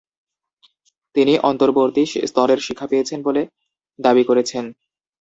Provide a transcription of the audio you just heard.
তিনি অন্তর্বর্তী স্তরের শিক্ষা পেয়েছেন বলে দাবি করেছেন।